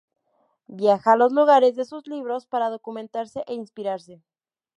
Viaja a los lugares de sus libros para documentarse e inspirarse.